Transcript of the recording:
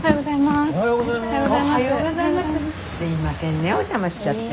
すいませんねお邪魔しちゃって。